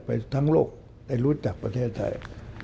ไปทั้งโลกได้รู้จักประเทศไทย